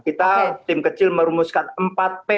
kita tim kecil merumuskan empat p satu t